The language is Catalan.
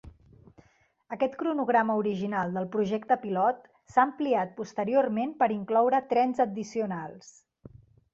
Aquest cronograma original del "projecte pilot" s'ha ampliat posteriorment per incloure trens addicionals.